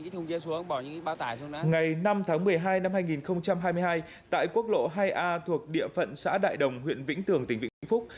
ngày năm tháng một mươi hai năm hai nghìn hai mươi hai tại quốc lộ hai a thuộc địa phận xã đại đồng huyện vĩnh tường tỉnh vĩnh phúc